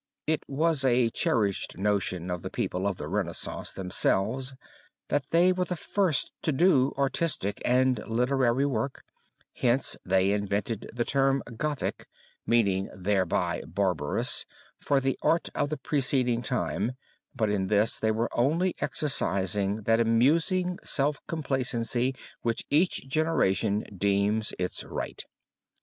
It was a cherished notion of the people of the Renaissance themselves that they were the first to do artistic and literary work, hence they invented the term Gothic, meaning thereby barbarous, for the art of the preceding time, but in this they were only exercising that amusing, self complacency which each generation deems its right.